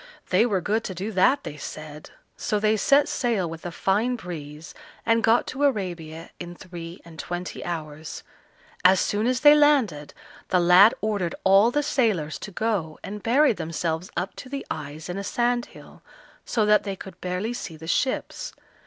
they were good to do that, they said, so they set sail with a fine breeze, and got to Arabia in three and twenty hours. As soon as they landed, the lad ordered all the sailors to go and bury themselves up to the eyes in a sandhill, so that they could barely see the ships.